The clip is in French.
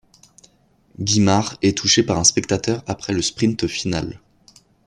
Guimard est touché par un spectateur après le sprint final.